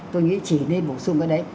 tôi nghĩ chỉ nên bổ sung cái đấy